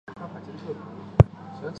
盖特河畔圣科隆布。